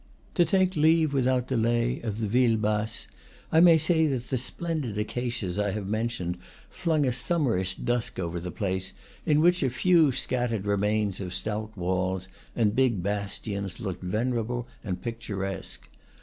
To take leave, without delay, of the ville basse, I may say that the splendid acacias I have mentioned flung a sum merish dusk over the place, in which a few scattered remains of stout walls and big bastions looked vener able and picturesque.